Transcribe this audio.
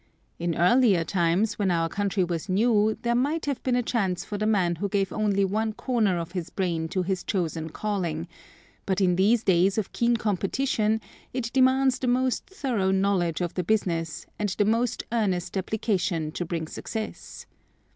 In earlier times, when our country was new, there might have been a chance for the man who gave only one corner of his brain to his chosen calling, but in these days of keen competition it demands the most thorough knowledge of the business, and the most earnest application to bring success.